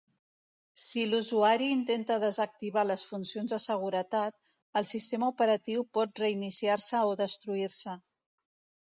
Si l'usuari intenta desactivar les funcions de seguretat, el sistema operatiu pot reiniciar-se o destruir-se.